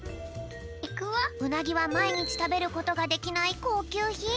うなぎはまいにちたべることができないこうきゅうひん。